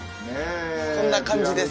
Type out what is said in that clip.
こんな感じです